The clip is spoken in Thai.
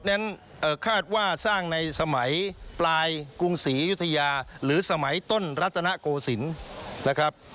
นั้นคาดว่าสร้างในสมัยปลายกรุงศรียุธยาหรือสมัยต้นรัตนโกศิลป์นะครับ